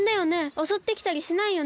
おそってきたりしないよね？